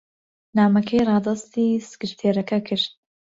نامەکەی ڕادەستی سکرتێرەکە کرد.